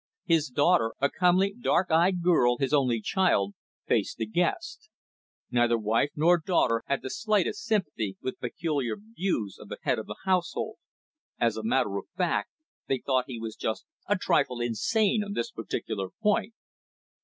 His daughter, a comely, dark eyed girl, his only child, faced the guest. Neither wife nor daughter had the slightest sympathy with the peculiar views of the head of the household. As a matter of fact, they thought he was just a trifle insane on this one particular point.